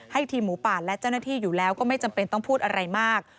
ทีมหมูป่าและเจ้าหน้าที่อยู่แล้วก็ไม่จำเป็นต้องพูดอะไรมาก